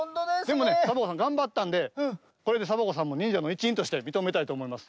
でもねサボ子さんがんばったんでこれでサボ子さんもにんじゃのいちいんとしてみとめたいとおもいます。